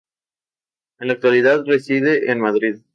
En la actualidad reside en Madrid.